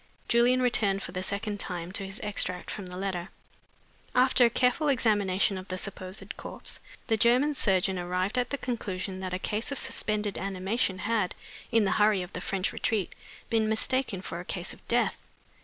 Julian returned for the second time to his extract from the letter: "'After a careful examination of the supposed corpse, the German surgeon arrived at the conclusion that a case of suspended animation had (in the hurry of the French retreat) been mistaken for a case of death.